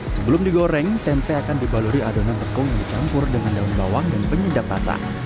sebelum digoreng tempe akan dibaluri adonan repung yang dicampur dengan daun bawang dan penyedap pasang